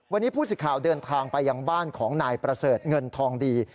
วันนี้ผู้สิทธิ์ข่าวเดินทางไปยังบ้านของนายประเสริฐเงินทองดี